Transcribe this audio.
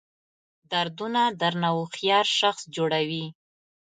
دردونه درنه هوښیار شخص جوړوي.